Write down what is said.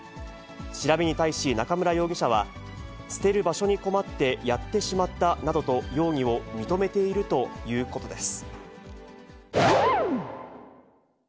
調べに対し、中村容疑者は、捨てる場所に困ってやってしまったなどと、容疑を認めているということです。